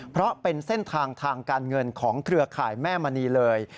เพราะเป็นเส้นทางทางการเงินของเครือข่ายแม่มณีเลย